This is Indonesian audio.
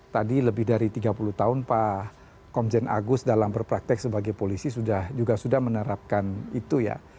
tadi lebih dari tiga puluh tahun pak komjen agus dalam berpraktek sebagai polisi juga sudah menerapkan itu ya